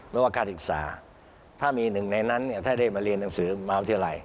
ไม่ว่าการศึกษาถ้ามีหนึ่งในนั้นเนี่ยถ้าได้มาเรียนหนังสือมหาวิทยาลัย